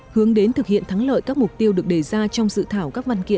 hướng đến thực hiện thắng lợi các mục tiêu được đề ra trong dự thảo các văn kiện